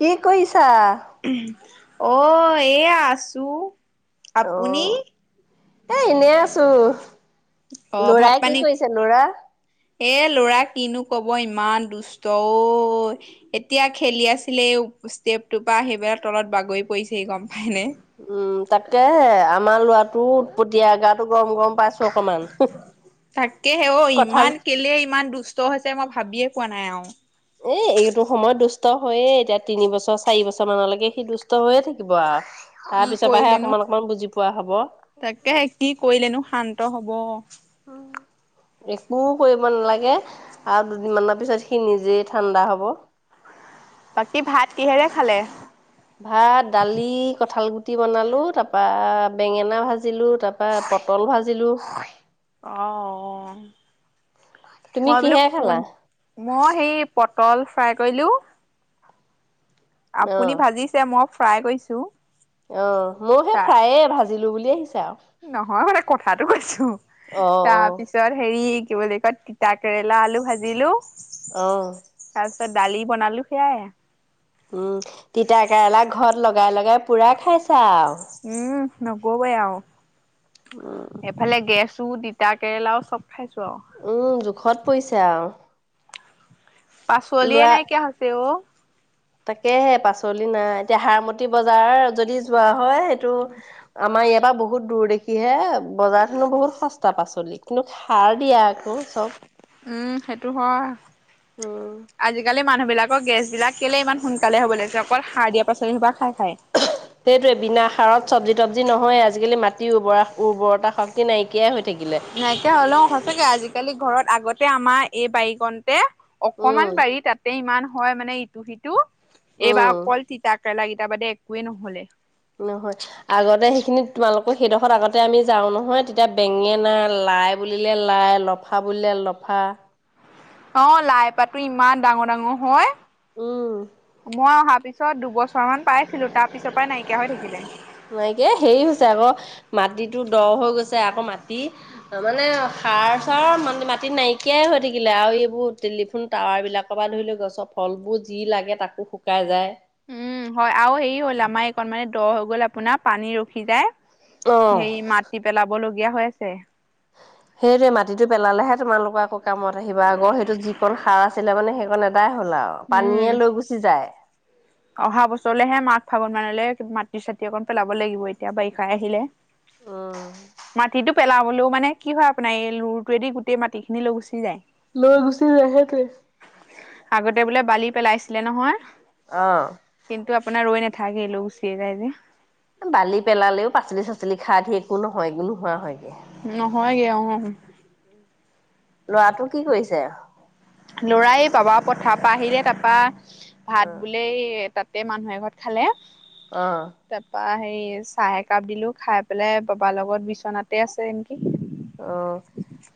কি কৰিছা? অ এয়া আছো। অ আপুনি? এ এনেই আছো। অ' ভাত লৰাই কি পানী কৰিছে লৰা? এ ল'ৰা কিনো কব ইমান দুষ্ট ঐ এতিয়া খেলি আছিলে। ষ্টেপটোপ পৰা আহি পেলাই তলত বাগৰি পৰিছেহি গম পায় নে? উম তাকেহে আমাৰ লৰাটো উৎপতীয়া গাটো গৰম গৰম পাইছোঁ তাকেহে ঔ কঁঠাল ইমান কেলে ইমান দুষ্ট হৈছে মই ভাবিয়ে পোৱা নাই আও। এ এইটো সময়ত দুষ্ট হৈয়ে এতিয়া তিনি বছৰ চাৰি বছৰ মানলৈকে সি দুষ্ট হৈয়ে থাকিব আও। কি কৰিলেনো তাকে কি কৰিলেনো শান্ত হব? [inaudible] একো কৰিব নালাগে আৰু দুদিনমানৰ পিছত সি নিজেই ঠাণ্ডা হব বাকী ভাত কিহেৰে খালে? ভাত দালি কঠাল গুটি বনালো তাৰাপা বেঙেনা ভাজিলো তাৰাপা পটল ভাজিলোঁ। অ তুমি মই বলো কিহে খালা? ফোন মই সেই পটল ফ্ৰাই কৰিলোঁ। আপুনি অ', ভাজিছে মই ফ্ৰাই কৰিছো। অ মই সেই তাৰ ফ্ৰায়ে ভাজিলো বুলি আহিছো। নহয় মানে কথাটো কৈছো অ', অ', তাৰপিছত হেৰি কি বুলি কয় তিতা কেৰেলা, আলু, ভাজিলো। আহ। তাৰপিছত দালি বনালো সেয়াই। উম তিতাকেৰেলা ঘৰত লগাই লগাই পুৰা খাইছা আও। উম নকবই আও উম, এফালে গেছ তিতা কেৰেলাও চব খাইছো আৰু উম জোখত পৰিছে আৰু। পাচলিয়ে ল'ৰা নাইকিয়া হৈছে অ' তাকেহে পাচলি নাই এতিয়া হাৰমতি বজাৰ যদি যোৱা হয় সেইটো আমাৰ ইয়াত তপা বহুত দূৰ দেখি হে বজাৰত হেনো বহুত সস্তা পাচলি কিন্তু সাৰ দিয়া আকৌ চব উম সেইটো হয় উম, আজিকালি। মানুহবিলাকৰ গেছবিলাক কেলে ইমান সোনকালে হ'ব লাগিছে অকল সাৰ দিয়া পাচলি হোপা খাই খাই সেইটোয়ে বিনা সাৰত চব্জি তবজি নহয়। আজিকালি মাটিৰ উৰ্বৰা উৰ্বৰতা শ নাইকিয়া হ'লেও সচাকে আজিকালি ঘৰত আগতে আমাৰ এই বাৰীকণ উম, অকমান বাৰি তাতে ইমান হয় মানে ইটো সিটো এইবাৰ উম, অকল তিতা কেৰেলা কেইটা বাদে একোৱে নহ'লে। নহয় আগতে সেইখিনি তোমালোকৰ সেইডোখৰত আগতে আমি যাওঁ‌ নহয় তেতিয়া বেঙেনা, লাই বুলিলে লাই লফা বুলিলে লফা অ' লাই পাতো ইমান ডাঙৰ ডাঙৰ হয়। উম, মই অহা তাৰ পিছত দুবছৰমান পাইছিলো। তাৰ পিছৰ পৰাই নাইকিয়া হৈ থাকিলে। নাইকিয়া হেৰি হৈছে আকৌ মাটিটো দ হৈ গৈছে। আকৌ মাটি মানে সাৰ চাৰ মানি মাটি নাইকিয়াই হৈ থাকিলে আৰু এইবোৰ টেলিফোন টাৱাৰবিলাকৰ পৰা ধৰি লও গছৰ ফ ফলবোৰ যি লাগে তাকো শুকাই যায়। উম হয় আৰু হেৰি হ'ল আমাৰ এইকণ মানে দ হৈ গ'ল আপোনাৰ পানী ৰখি যায়। অ'। সেই মাটি পেলাব লগীয়া হৈ আছে। সেইটোৱে মাটিটো পেলালেহে তোমালোকৰ আকৌ কামত আহিব আগৰ সেইটো যিকণ সাৰ আছিলে মানে সেইকণ দিগদাৰে হ'ল আৰু উম পানীয়ে লৈ গুচি যায় অহা বছৰলেহে মাঘ ফাগুন মানলৈ মাটি চাতি অকণ পেলাব লাগিব। এতিয়া বাৰিষাই আহিলে। মাটিতো পেলাওঁ ও মানে কি হয় আপোনাৰ এই লুৰটোৱেদি গোটেই মাটি খিনি লৈ গুচি যায়। লৈ গুচি যায়। সেইটোৱে আগতে বোলে বালি পেলাইছিলে নহয় অ' কিন্তু আপোনাৰ ৰৈ নাথাকিল লৈ গুচি যায় যে। বালি পেলালেও পাচলি চাচলি খাৰ ধি একো নহয় একো নোহোৱা হয়গে। নহয়গে অহ লৰাটো কি কৰিছে? লৰাই বাবা পথাৰ পৰা আহিলে তাৰপা ভাত অ' বোলে তাত গোটেই মানুহে ঘৰত খালে অ' তাৰপা হেৰি এই চাহ একাপ দিলো খাই পেলাই বাবাৰ লগত বিচনাতে আছে। অহ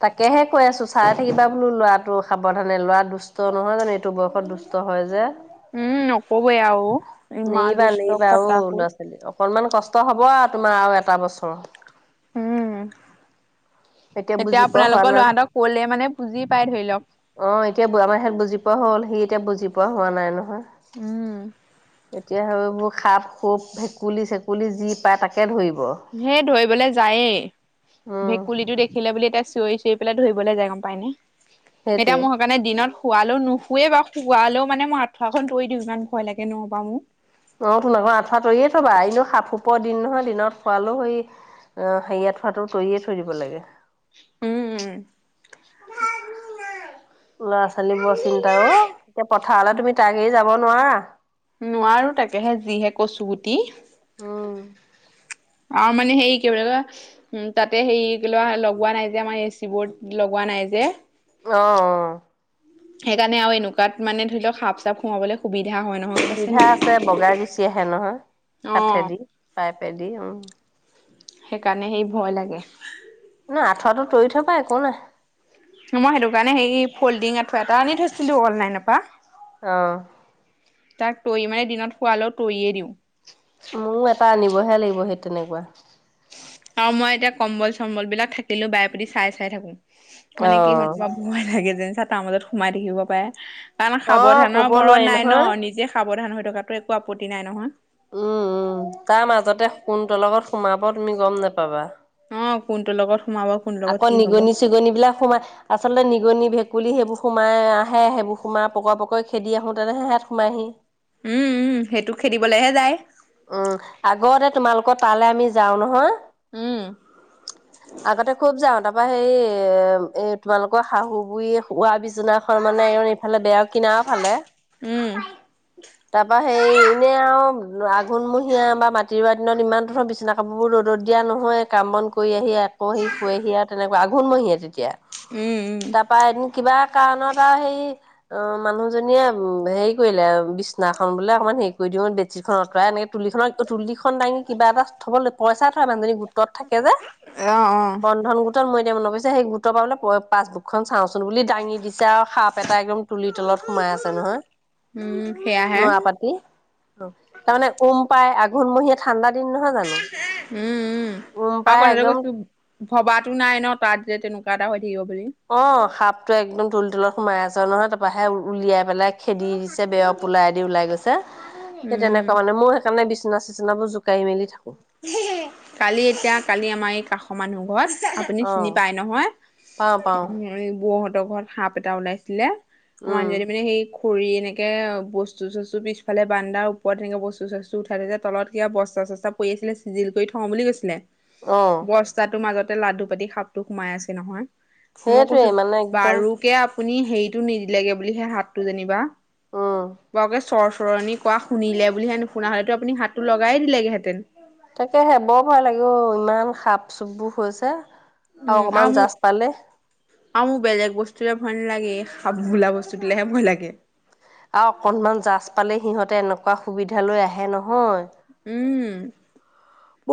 তাকেহে কৈ আছো চাই থাকিবা বোলো ল'ৰা। টো সাৱধানে ল'ৰা দুষ্ট নহয় জানো এইটো বয়সত দুষ্ট হয় যে। উম নকবই আৰু ইমান নেৰিবা দুষ্ট নেৰিবা অহ খতাকৈ। ল'ৰা ছোৱালী অকনমান কষ্ট হ'ব তোমাৰ আৰু এটা বছৰ। উম, এতিয়া বুজি পোৱা হোৱা আপোনালোকৰ নাই। লৰাতক কলে মানে বুজি পাই ধৰি লওক। অ, এতিয়া আমাৰ ইহত বুজি পোৱা হল সি এতিয়া বুজি পোৱা হোৱা নাই নহয়। উম এতিয়া সেইবোৰ সাপ, খোপ, ভেকুলি, চেকুলি যি পায় তাকে ধৰিব। হে ধৰিবলে যায়েই উম ভেকুলীটো দেখিলে বুলি এতিয়া চিঞৰি, চিঞৰি এই ফালে ধৰিবলৈ যায় গম পায় নে এতিয়া সেইটোৱে মোৰ সেই কাৰণে দিনত শুবালেও নু শুৱে বাৰু শুৱালেও মানে মই আঠুৱাখন তৰি দিও ইমান ভয় লাগে নবা মোক অঁ টোন আক আঠুৱা তৰিয়ে থবা এনো সাপ সোপৰ দিন নহয় দিনত শোৱালও সেই [unintelligible] আহ, হেৰি আত থোৱাটো তৰিয়ে থৈ দিব লাগে। উম ল'ৰা ছোৱালী বৰ চিন্তা অ এতিয়া পথাৰলে তুমি তাক এৰি যাব নোৱাৰা। নোৱাৰো তাকেহে যিহে কচু গুটি। উম আৰু মানে হেৰি কি বুলি কয়, উম তাতে হেৰি ক লোৱা লগোৱা নাই যে আমাৰ এচি বোৰ লগোৱাই, নাই যে। অ অ সেইকাৰণে আৰু এনেকুৱা মানে ল ধৰি সাপ চাপ খোমাবলৈ সুবিধা হয় নহয় গম পাইছে সুবিধা নাই আছে, বগাই গুচি আহে নহয় অ কাঠেদি পাইপ। পাই দি উম। সেইকাৰণে সেই ভয় লাগে। ন আঁঠুৱাটো তৰি থবা একো নাই। মই সেইটো কাৰণে হে ফল্ডিং আঠুৱা এটা আনি থৈছিলো অনলাইনৰ পৰা। অহ। তাক তৰি মানে দিনত শুৱালেও তৰিয়ে দিওঁ। মোৰ এটা আনিবহে লাগিব সেই তেনেকুৱা। আৰু মই এতিয়া কম্বল চম্বল বিলাক থাকিলো বাই প্ৰতি চাই চাই থাকো। মানে কি হয় অ তোমাৰ ভয় লাগে যেন চা তাৰ মাজত সোমাই থাকিব পাৰে। কাৰণ অ', সাৱধানৰ ক'ব মৰণ নোৱাৰি নাই ন, নহয়। নিজে সাৱধান হৈ থকাতটো একো আপত্তি নাই নহয়। উম উম তাৰ মাজতে কোনতলকত সোমাব তুমি গম নেপাবা। অঁহ কোনটো লগত, সোমাব কোনটোৰ লগত আকৌ কি হব নিগনি চিগনি বিলাক সোমাই, আচলতে নিগনি ভেকুলী বুলি সেইবোৰ সোমাই আহে। সেইবোৰ সোমাই পকৰ পকৰে খেদি আহো তেনেহে সেইয়াত সোমাইহি। উম উম সেইটো খেদিবলেহে যায়। উম আগতে তোমালোকৰ তালৈ আমি যাওঁ নহয়। উম আগতে খুব যাওঁ তাৰ তাৰপৰা সেই এ তোমালোকৰ শাহু বুঢ়ী শোৱা বিচনাখন মানে এ ইফালে বেয়াও কিনা না ফালে, উম। তাৰপা হেৰি এনে আৰু আঘোণমহীয়া বা মাটি ৰুৱা দিনত ইমান ধোৰৰ বিছনা কাপোৰ বোৰ ৰদ দিয়া নহয়, কাম বন কৰি আহি আকৌ সি শুৱে আহি আৰু তেনেকুৱা আঘোণমহিয়ে তেতিয়া। উম উম তাৰপা এদিন কিবা কাৰণত আৰু সেই অ মানুহজনীয়ে হেৰি কৰিলে, বি- বিচনাখন বোলে অকণমান হেৰি কৰি দিওঁ বেডশ্বীটখন আঁতৰাই এনেকৈ তুলিনৰ তুলিখন দাঙি কিবা এটা থ'ব ল পইচা হে মানুহজনী গোটত থাকে যে, অ অ বন্ধন গোটত মই ন পিছে সেই গুত পাবলৈ পাচবুকখন [unintelligible] চাওঁচোন বুলি দাঙি দিছে আৰু সাপ এটা একদম তুলিৰ তলত সোমাই আছে নহয়। উম সেয়াহে নৰা পাতি। তাৰমানে উম পাই আঘোণমহিয় ঠাণ্ডা দিন নহয় জানো উম উম উম আৰু পাই কথাটো একদম কৈছো ভবাতো নাই ন তাত যে তেনেকোৱা অহ সাপটো একদম তুলীৰ তলত সোমাই আছে নহয় তাৰপৰাহে উলিয়াই পেলাই খেদি দিছে, বেৰৰ পুলাইদি ওলাই গৈছে। সেই উম তেনেকুৱা মানে মোৰ সেইকাৰণে বিচ বিচনা চিচনাবোৰ জোকাই মেলি থাকো। কালি এতিয়া কালি আমাৰ এই কাষৰ মানুহ ঘৰত আপুনি অ চিনি পায় নহয়, পাওঁ পাওঁ বৌহঁতৰ ঘৰত সাপ এটা ওলাইছিলে। উম মানুহজনি মানে সেই কৰি এনেকৈ বস্তু চস্তু পিছফালে বান্দা ওপৰত এনেকৈ বস্তু চস্তু উঠাই থাক তলত কিবা বস্তা চস্তা পৰি আছিলে চিজিল কৰি থও বুলি গৈছিলে অ বস্তাটো মাজত এ লাডু পাতি সাপটো সোমাই আছে নহয়। মই সেইটোৱে কৈছো মানে একদম বাৰুকে আপুনি হেৰিটো নিদিলেগে বুলিহে সাপটো যেনিবা উম বাওকে চৰ্চ সৰণি কোৱা শুনে বুলি শুনা হলেতো আপুনি হাতটো লগাই দিলেতেন। তাকেহে বৰ ভয় লাগে অ ইমান সাপ চুপবোৰ হৈছে। আৰু উম আও অকমান মো জাজ পালে আও মো বেলেগ বস্তুলে ভয় নালাগে, এই সাপ বোলা বস্তুটো লেহে ভয় লাগে। আৰু অকনমান জাছ পালে সিহঁতে এনেকুৱা সুবিধা লৈ আহে নহয়। হয় উম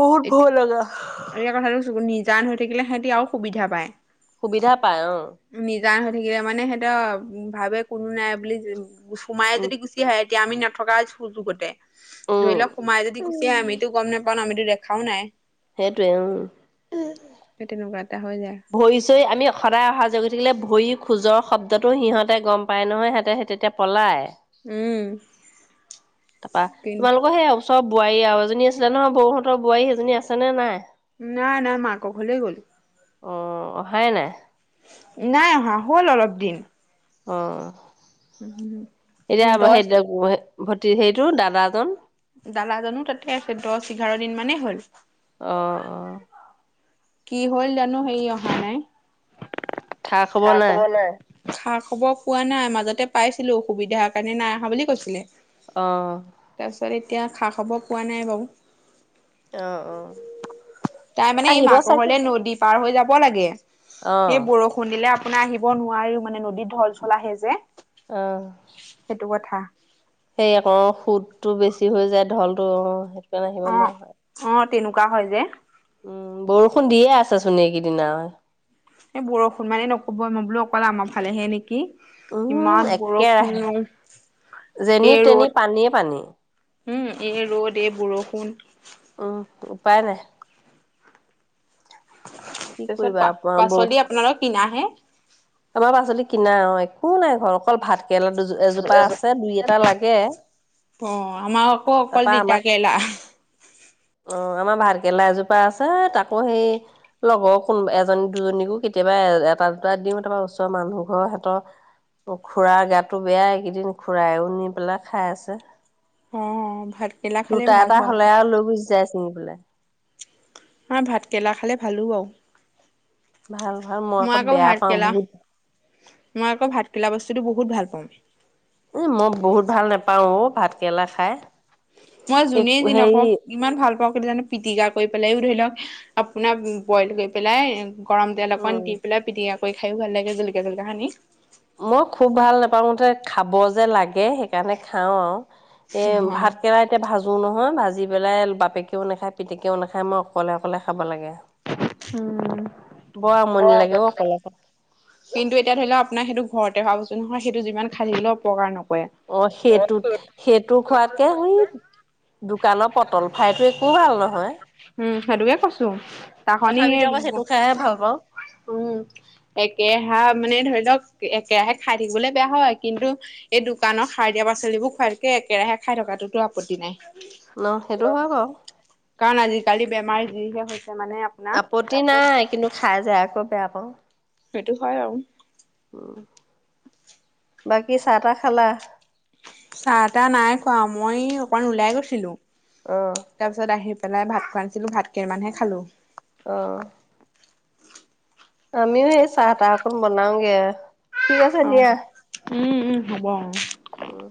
বহুত ভয় লগা আৰু এই কথাটো নিজান হৈ থাকিলে সিহতি আৰু সুবিধা পায় সুবিধা পায় অ নিজান হৈ থাকিলে মানে সিহঁতৰ ভাবে কোনো নাই বুলি সোমাই উম যদি গুচি আহে তেতিয়া আমি নথকাৰ সুযোগতে উম ধৰি লওক সোমাই যদি গুচি আহে আমিতো গম নেপাও কাৰণ আমিতো দেখাও নাই সেইটোৱে উম সেই তেনেকুৱা এটা হৈ যায় ভৰি চুই আমি সদায় অহা যোৱা কৰি থাকিলে ভৰি খোজৰ শব্দটো সিহঁতে গম পায় নহয় সিহঁতে হে তেতিয়া পলায় উম তাপা তোমালোকৰ সেই অ চব বোৱাৰী আৰু এজনী আছিলে নহয় বৌহঁতৰ বোৱাৰী সেইজনী আছেনে নাই নাই নাই মাক ঘলেই গ'ল। অ অহাই নাই নাই অহা হ'ল অলপ দিন অ এতিয়া দহ সেই ভতি সেইটো দাদাজন দাদাজনো তাতে আছে দহ এঘাৰ দিন মানেই হ'ল অহ অ কি হল জানো হেৰি অহা নাই খা খবৰ নাই খা খবৰ পোৱা নাই মাজতে পাইছিলো অসুবিধাৰ কাৰণে নাই অহা বুলি কৈছিলে অহ তাৰপিছত এতিয়া খা খবৰ পোৱা নাই বাও অহ অহ তাই মানে একে মাকঘলে নদী পাৰ হৈ যাব লাগে অ এই বৰষুণ দিলে আ ওলাই আহিব নোৱাৰিও মানে নদীত ঢল চল আহে যে অহ সেইটো কথা সেই আকৌ সুতটো বেছি হৈ যায় ঢলতো অ সেইটো কাৰণে আহিব নোৱাৰা হয় তেনেকোৱা হয় যে উম বৰষুণ দিয়ে আছ চোন এইকেইদিনা এই বৰষুণ মানে নকব মই বোলো অকল আমৰ ফালেহে নেকি উম ইমান বৰষুণ একেৰাহে যেনি এই ৰ'দ তেনি পানীয়ে পানী উম এই ৰ'দ এই বৰষুণ উম উপায় নাই কি তাৰপিছত কৰিবা পা আপোনাৰ বৌ পাচলি আপোনালকৰ কিনাহে আমাৰ পাচলি কিনা অ একো নাই ঘৰত অকল ভাত কেলা দু এজোপা আছে দুই এটা লাগে অ আমা আক অকল তাৰপা আমাক তিতাকেৰেলা অ আমাৰ ভাতকেলা এজোপা আছে তাকো সেই লগৰ কোনোব এজনী দুজনীকো কেতিয়া বা এটা দুটা দিওঁ তাৰপা ওচৰ মানুহ ঘৰৰ সেত অ খুুৰাৰ গাটো বেয়াই এইকেইদিন খুৰাইও নি পেলাই খাই আছে অ ভাত দুটা এটা হলে আ লৈ গুচি যায় ছিঙি পেলাই হা ভাতকেৰেলা খালে ভালো বাও ভাল ভাল মই আকৌ বেয়া পাওঁ বহুত মই আকৌ ভাতকেলা বস্তুতো বহুত ভাল পাওঁ এ মই বহুত ভাল নাপাও অ ভাত কেৰেলা খাই মই যোনে যি হেৰি নকক ইমান ভাল পাওঁ জানো পিটিকা কৰি পেলাইও ধৰি লওক আপোনাৰ বইল কৰি পেলাই গৰম তেল অকণমান উম দি পেলাই পিটিকা কৰি খায়ো ভাল লাগে জলকীয়া জলকীয়া সানি মই খুব ভাল নাপাওতে খাব যে লাগে। সেইকাৰণে খাও আৰু এ ভাত কেৰেলা এতিয়া ভাজো ভাজো নহয় ভাজি পেলাই বাপেকেও নাখায় পিতেকেও নাখায়, মই অকলে অকলে খাব লাগে। উম। বৰ আমনি লাগে অ অকলে অকলে। কিন্তু এতিয়া ধৰি লওঁক আপোনাৰ সেইটো ঘৰতে হোৱা বস্তু নহয় সেইটো যিমান খাই থাকিলেও অপকাৰ নকৰে। অ, সেইটোত - সেইটো খোৱাতকে সেই দোকানৰ পটল ফ্ৰাইটো একো ভাল নহয়। সেইতুকে কৈছো। খনি তথাপিতো আকৌ সেইটো খাইহে ভাল পাওঁ উম, একেহা মানে ধৰি একেৰাহে খাই থাকিবলৈ বেয়া হয় কিন্তু এই দোকানৰ সাৰ দিয়া পাচলিবোৰ খোৱাতকে একেৰাহে খাই খাই থকাটোতো আপত্তি নাই। ন সেইটো হয় বাৰু। কালি বেমাৰ যিহে হৈছে মানে! আপোনাৰ আপত্তি নাই কিন্তু খাই যায় আকৌ বেয়া পাও। সেইটো হয় আৰু। উম, বাকী চাহ তাহ খালা। চাহ তাহ নাই খোৱা মই অকমান ওলাই গৈছিলো। অ', তাৰপিছত আহি পেলাই ভাত খোৱা না, ভাত কেইমানহে খালো। অ', আমিও সেই চাহ তাহ অকন বনাওগে ঠিক আছে অ দিয়া। উম - উম হ'ব অ, উম,